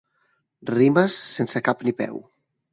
Rimes sense cap ni peu.